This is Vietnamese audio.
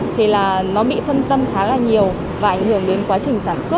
thì là nó bị phân tâm khá là nhiều và ảnh hưởng đến quá trình sản xuất